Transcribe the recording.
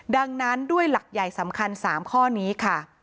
ดังนั้นด้วยหลักใหญ่สำคัญ๓ข้อนี้ค่ะ